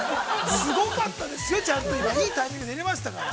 ◆すごかったですよ、今ちゃんと、いいタイミングで入れましたから。